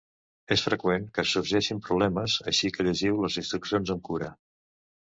És freqüent que sorgeixin problemes, així que llegiu les instruccions amb cura.